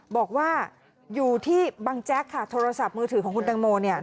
บอกว่าอยู่ที่บังแจ๊กค่ะโทรศัพท์มือถือของคุณตังโมเนี่ย